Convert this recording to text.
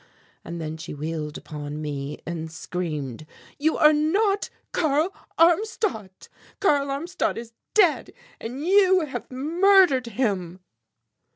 And then she wheeled upon me and screamed, "You are not Karl Armstadt, Karl Armstadt is dead, and you have murdered him!"